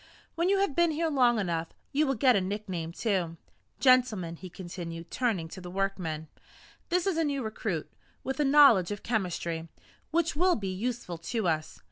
When you have been here long enough, you will get a nickname, too. Gentlemen," he continued, turning to the workmen, "this is a new recruit, with a knowledge of chemistry which will be useful to us.